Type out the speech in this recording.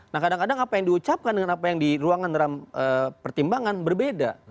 nah kadang kadang apa yang diucapkan dengan apa yang di ruangan dalam pertimbangan berbeda